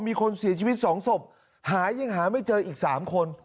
มีคนเสียชีวิต๒ศพหายังหาไม่เจออีก๓คน